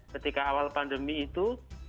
ketika awal pandemi itu